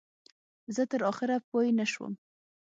زه تر آخره پوی نه شوم.